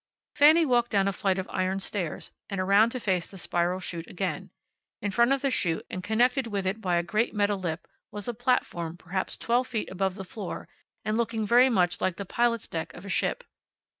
Fanny walked down a flight of iron stairs, and around to face the spiral chute again. In front of the chute, and connected with it by a great metal lip, was a platform perhaps twelve feet above the floor and looking very much like the pilot's deck of a ship.